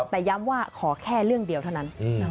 แต่ย้ำว่าขอแค่เรื่องเดียวเท่านั้น